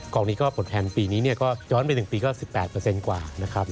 กองนี้ก็ผลแทนปีนี้ย้อนไป๑ปีก็๑๘กว่า